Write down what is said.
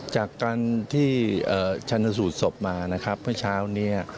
จากการที่ชันสูตรศพมานะครับเมื่อเช้านี้